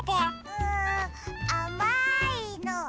うんあまいの。